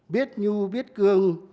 biết nhu biết cương